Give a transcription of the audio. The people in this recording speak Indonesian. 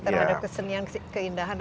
terhadap kesenian keindahan